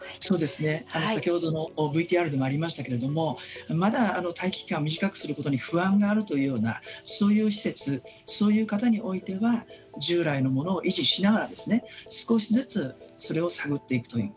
先ほどのＶＴＲにもありましたけれどもまだ待機期間を短くすることに不安があるようなそういう施設そういう方においては従来のものを維持しながらですね少しずつそれを探っていくという。